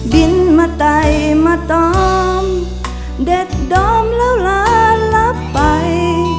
บินมาไตมาตอมเด็ดดอมแล้วลารับไป